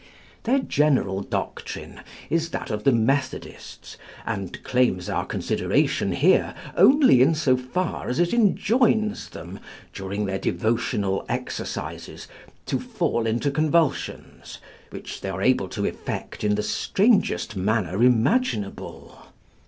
Their general doctrine is that of the Methodists, and claims our consideration here only in so far as it enjoins them during their devotional exercises to fall into convulsions, which they are able to effect in the strangest manner imaginable.